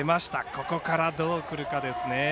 ここからどうくるかですね。